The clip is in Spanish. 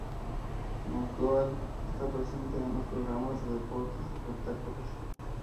McDougal está presente en los programas de deportes o espectáculos.